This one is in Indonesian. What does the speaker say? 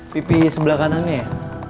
pipi sebelah kanannya ya